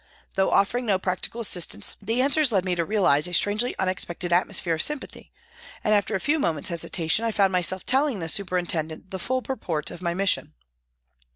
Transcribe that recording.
Though offering no practical assistance the answers led me to realise a strangely unexpected atmosphere of sympathy, and after a few moments hesitation I found myself telling this superintendent the full purport of my mission.